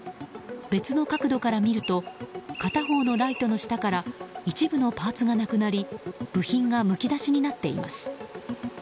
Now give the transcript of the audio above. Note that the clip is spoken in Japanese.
別の角度から見ると片方のライトの下から一部のパーツがなくなり部品がむき出しになっています。